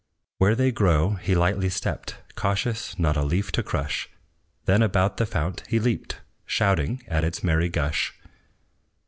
Where they grow he lightly stepped, Cautious not a leaf to crush; Then about the fount he leaped, Shouting at its merry gush.